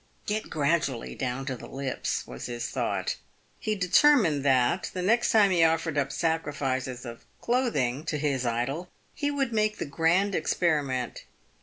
" Get gradually down to the lips," was his thought. He determined that, the next time he offered up sacrifices of cloth ing to his idol, he would make the grand experiment.